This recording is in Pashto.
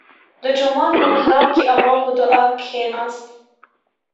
• د جومات په محراب کې امام په دعا کښېناست.